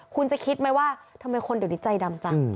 คุณจะคิดไหมว่าทำไมคนเดี๋ยวนี้ใจดำจัง